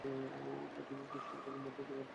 বাথরুমে পিছলে গিয়ে মাথায় আঘাত পেয়ে মারা গেছে।